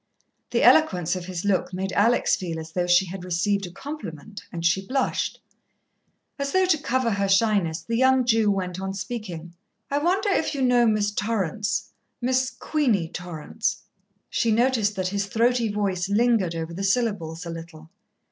The eloquence of his look made Alex feel as though she had received a compliment, and she blushed. As though to cover her shyness, the young Jew went on speaking. "I wonder if you know Miss Torrance Miss Queenie Torrance?" She noticed that his throaty voice lingered over the syllables a little.